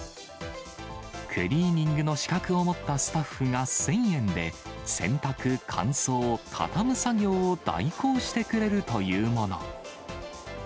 クリーニングの資格を持ったスタッフが１０００円で、洗濯、乾燥、畳む作業を代行してくれるというもの。